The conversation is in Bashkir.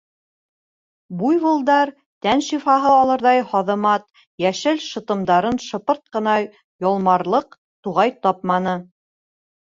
Буйволдар тән шифаһы алырҙай һаҙымат, йәшел шытымдарын шыпырт ҡына ялмарлыҡ туғай тапманы.